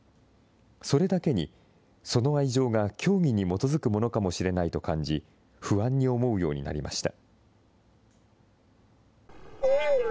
それだけに、その愛情が教義に基づくものかもしれないと感じ、不安に思うようになりました。